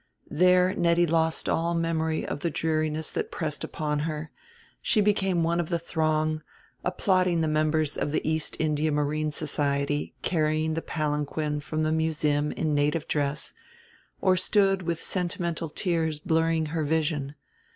There Nettie lost all memory of the dreariness that pressed upon her; she became one of the throng, applauding the members of the East India Marine Society carrying the palanquin from the Museum in native dress, or stood with sentimental tears blurring her vision.